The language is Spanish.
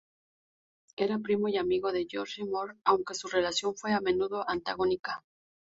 Era primo y amigo de George Moore, aunque su relación fue a menudo antagónica.